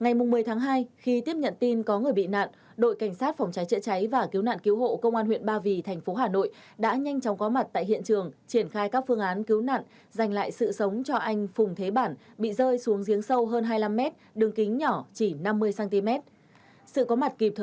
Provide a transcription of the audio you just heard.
ngày một mươi tháng hai khi tiếp nhận tin có người bị nạn đội cảnh sát phòng trái chữa cháy và cứu nạn cứu hộ công an huyện ba vì tp hà nội đã nhanh chóng có mặt tại hiện trường triển khai các phương án cứu nạn dành lại sự sống cho anh phùng thế bản bị rơi xuống giếng sâu hơn hai mươi năm cm